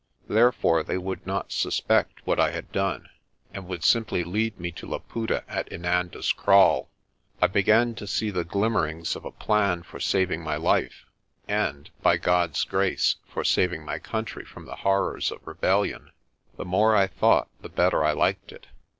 Therefore they would not suspect what I had done, and would simply lead me to Laputa at Inanda's Kraal. I began to see the glimmerings of a plan for saving my life and, by God's grace, for saving my coun try from the horrors of rebellion. The more I thought the better I liked it.